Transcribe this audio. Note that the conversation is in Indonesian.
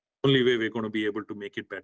itu saja yang akan membuatnya lebih baik